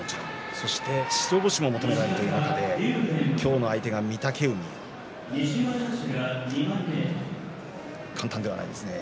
そして白星も求められるということで今日の相手は御嶽海簡単ではないですね。